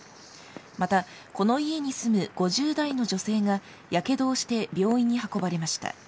また、この家に住む５０代の女性が、やけどをして病院に運ばれました。